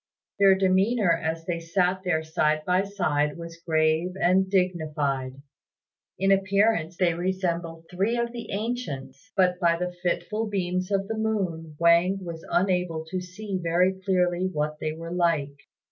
Their demeanour as they sat there side by side was grave and dignified; in appearance they resembled three of the ancients, but by the fitful beams of the moon Wang was unable to see very clearly what they were like.